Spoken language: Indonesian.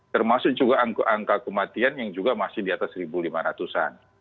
termasuk juga angka kematian yang juga masih di atas satu lima ratus an